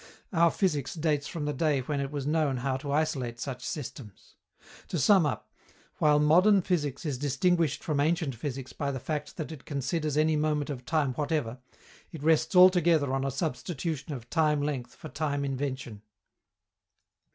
Our physics dates from the day when it was known how to isolate such systems. To sum up, _while modern physics is distinguished from ancient physics by the fact that it considers any moment of time whatever, it rests altogether on a substitution of time length for time invention_.